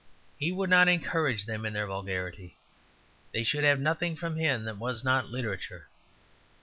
He would not encourage them in their vulgarity; they should have nothing from him that was not literature.